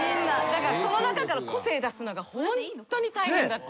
だからその中から個性出すのがホントに大変だった。